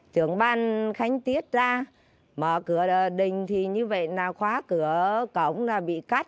thì tưởng ban khánh tiết ra mở cửa đình thì như vậy là khóa cửa cổng là bị cắt